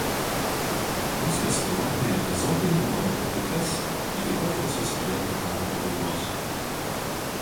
Rusijos kariuomenėje kazokai naudojo pikas iki pat Rusijos pilietinio karo pabaigos.